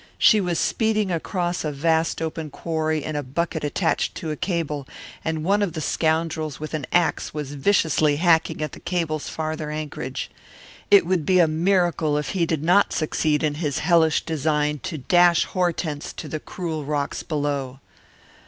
She was speeding across a vast open quarry in a bucket attached to a cable, and one of the scoundrels with an ax was viciously hacking at the cable's farther anchorage. It would be a miracle if he did not succeed in his hellish design to dash Hortense to the cruel rocks below.